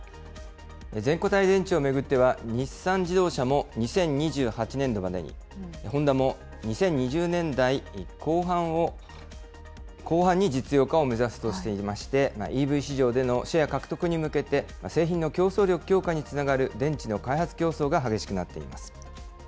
全固体電池を巡っては、日産自動車も２０２８年度までに、ホンダも２０２０年代後半に実用化を目指すとしていまして、ＥＶ市場でのシェア獲得に向けて、製品の競争力強化につながる電池の開発競争が激しくなっています。